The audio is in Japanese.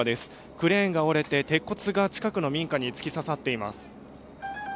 クレーンが折れて鉄骨が近くの民家に突き刺さっています。